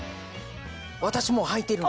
私もうはいてるの。